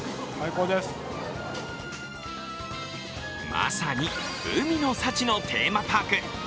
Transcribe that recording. まさに海の幸のテーマパーク。